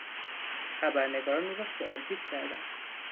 خبرنگاران او را سوال پیچ کردند.